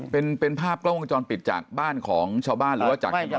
เป็นภาพจอลปิดจากบ้านของชาวบ้านหรือว่าจากที่รึง